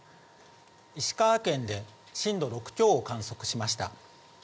石川県で震度６強を観測しました。